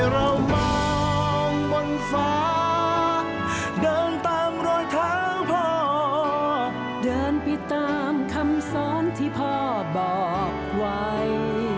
จ่วยซับน้ำตาให้กันเพื่อก้าวต่อไป